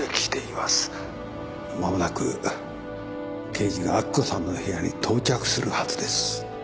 間もなく刑事が明子さんの部屋に到着するはずです。